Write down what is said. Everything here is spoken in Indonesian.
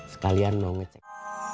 sekalian mau ngecek